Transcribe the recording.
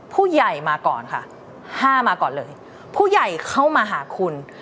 ผู้ใหญ่มาก่อนค่ะห้ามาก่อนเลยผู้ใหญ่เข้ามาหาคุณ